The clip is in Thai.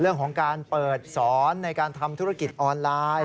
เรื่องของการเปิดสอนในการทำธุรกิจออนไลน์